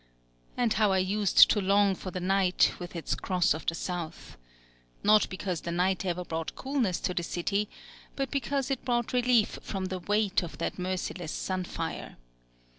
And how I used to long for the night, with its Cross of the South! Not because the night ever brought coolness to the city, but because it brought relief from the weight of that merciless sunfire.